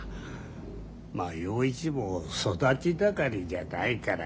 まあ洋一も育ち盛りじゃないからね。